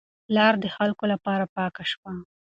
لار د خلکو لپاره پاکه شوه.